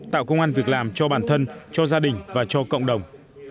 tạo công an việc làm cho bản thân cho gia đình và cho cộng đồng